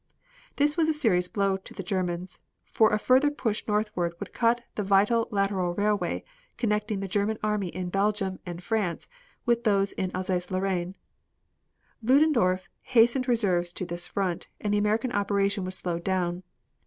This was a serious blow to the Germans, for a further push northward would cut the vital lateral railway connecting the German armies in Belgium and France with those in Alsace Lorraine. Ludendorf hastened reserves to this front, and the American operation was slowed down.